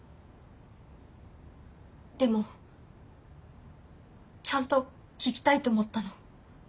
でもちゃんと聞きたいと思ったの。